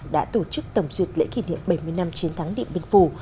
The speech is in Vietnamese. đã tổ chức tổng duyệt lễ kỷ niệm bảy mươi năm chiến thắng điện biên phủ